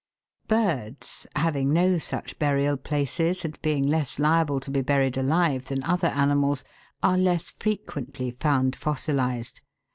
Birds, having no such burial places, and being less liable to be buried alive than other animals, are less fre quently found fossilised.